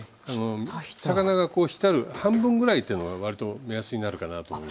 魚がこうひたる半分ぐらいというのが割と目安になるかなと思います。